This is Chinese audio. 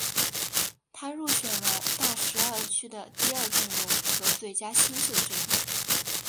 他入选了大十二区的第二阵容和最佳新秀阵容。